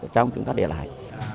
trong chúng ta để lại